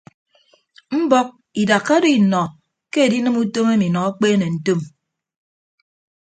Mbọk idakka do innọ ke edinịm utom emi nọ akpeene ntom.